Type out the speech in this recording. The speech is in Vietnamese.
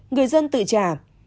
người dân tự trả